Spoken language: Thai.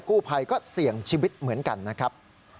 กู้ภัยก็เสี่ยงชีวิตเหมือนกันนะครับ